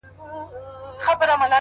• غاړه بنده وزرونه زولانه سوه ,